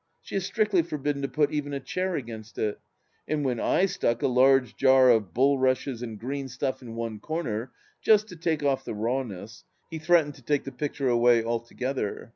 She is strictly forbidden to put even a chair against it, and when I stuck a large jar of bul rushes and green stuff in one corner, just to take off the raw ness, he threatened to take the picture away altogether.